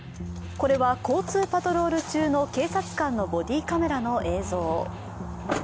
これは、交通パトロール中の警察官のボディカメラの映像。